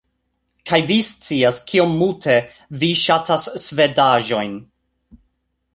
- Kaj vi scias kiom multe vi ŝatas svedaĵojn